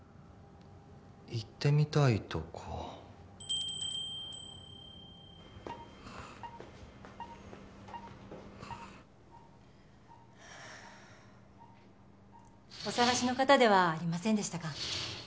行ってみたいとこお捜しの方ではありませんでしたか？